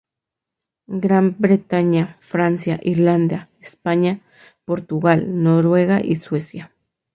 Gran Bretaña, Francia, Irlanda, España, Portugal, Noruega y Suecia.